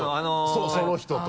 そうその人と。